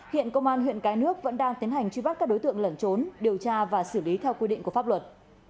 hiện công an huyện cái nước vẫn đang tiến hành truy bắt các đối tượng lẩn trốn điều tra và xử lý theo quy định của pháp luật